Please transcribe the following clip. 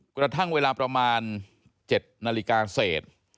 กระทั่งเวลาประมาณ๗นาฬิกาเศษ